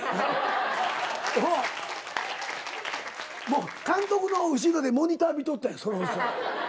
もう監督の後ろでモニター見とったんやそのおっさん。